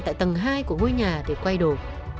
tại tầng hai của ngôi nhà để quay đồ